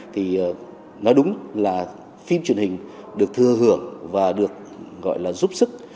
thì nói đúng là phim truyền hình được thư hưởng và được gọi là giúp sức